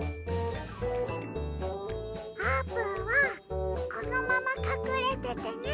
あーぷんはこのままかくれててね。